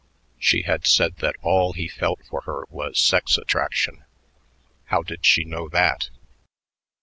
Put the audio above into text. She had said that all he felt for her was sex attraction. How did she know that?